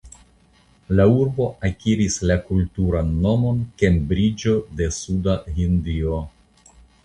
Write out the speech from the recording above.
La urbo akiris la kulturan nomon "Kembriĝo de Suda Hindio".